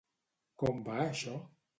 Com va això?